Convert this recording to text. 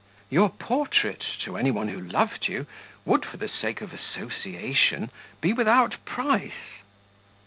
"Your portrait, to any one who loved you, would, for the sake of association, be without price."